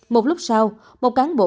một lúc sau một cán đường